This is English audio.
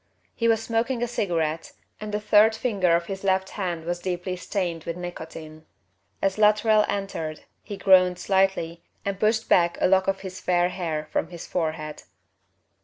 He was smoking a cigarette, and the third finger of his left hand was deeply stained with nicotine. As Luttrell entered he groaned slightly and pushed back a lock of his fair hair from his forehead."